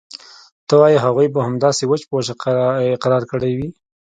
ته وايې هغوى به همداسې وچ په وچه اقرار کړى وي.